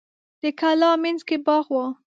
د کلا مینځ کې باغ و.